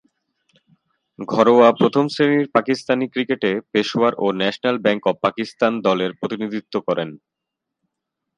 ঘরোয়া প্রথম-শ্রেণীর পাকিস্তানি ক্রিকেটে পেশাওয়ার ও ন্যাশনাল ব্যাংক অব পাকিস্তান দলের প্রতিনিধিত্ব করেন।